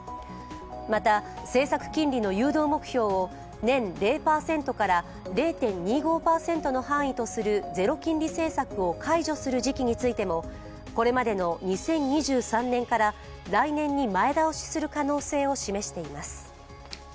また、政策金利の誘導目標を年０％から０．２５％の範囲とするゼロ金利政策を解除する時期についてもこれまでの２０２３年から来年に前倒しする可能性を示しています。